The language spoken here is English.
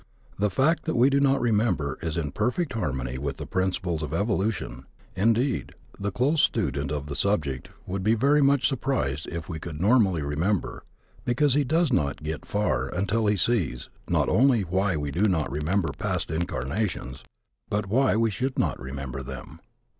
The fact that we do not remember is in perfect harmony with the principles of evolution. Indeed, the close student of the subject would be very much surprised if we could normally remember, because he does not get far until he sees, not only why we do not remember past incarnations but why we should not remember them.